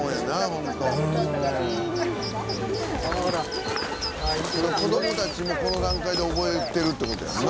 この子供たちもこの段階で覚えてるって事やんな。